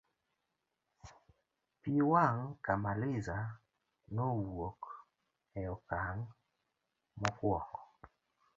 pi wang' Kamaliza nowuok e okang' mokuongo